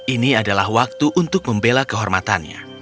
ini adalah waktu untuk membela kehormatannya